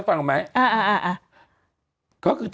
ฟังลูกครับ